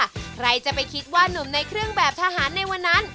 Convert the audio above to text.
ใครจะไปคิดว่านุ่มในเครื่องแบบทหารในวันนั้น